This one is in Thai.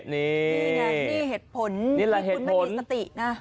นี่ไงนี่เหตุผลที่คุณไม่มีสตินะ